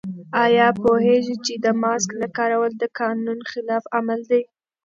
آیا پوهېږئ چې د ماسک نه کارول د قانون خلاف عمل دی؟